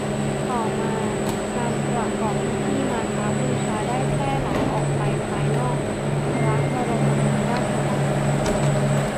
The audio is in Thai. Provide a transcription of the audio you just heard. ต่อมาการประกอบพิธีมาฆบูชาได้แพร่หลายออกไปภายนอกพระบรมมหาราชวัง